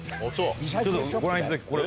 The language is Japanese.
ちょっとご覧いただきたいこれ。